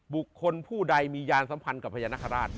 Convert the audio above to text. บุคคลผู้ใดมียานสัมพันธ์กับพญานาคาราช